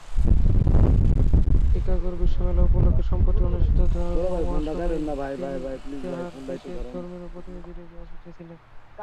চিকাগোর বিশ্বমেলা উপলক্ষে সম্প্রতি অনুষ্ঠিত ধর্ম-মহাসভায় তিনি তাঁহার দেশের ও ধর্মের প্রতিনিধিরূপে আসিয়াছিলেন।